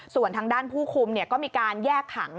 ส่วนทางด้านผู้คุมก็มีการแยกขัง